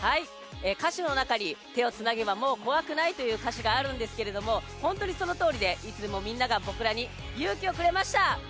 歌詞の中に「手をつなげばもう怖くない」という歌詞があるんですけど本当に、そのとおりでいつもみんなが僕らに勇気をくれました。